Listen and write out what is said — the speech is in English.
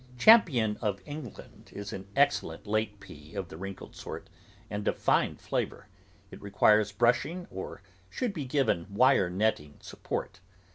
Champion of England is an excellent late pea of the wrinkled sort and of fine flavour ; it requires brushing or should be given wire netting support.